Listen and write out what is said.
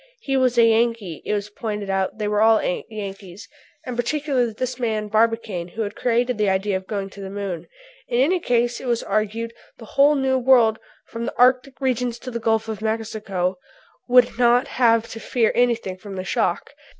He was a Yankee it was pointed out they were all Yankees and particularly this man Barbicane, who had created the idea of going to the moon. In any case, it was argued, the whole new world, from the Arctic regions to the Gulf of Mexico, would not have to fear anything from the shock.